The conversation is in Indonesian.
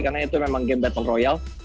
karena itu memang game battle royale